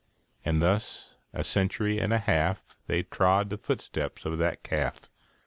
And thus a century and a half They trod the footsteps of that calf.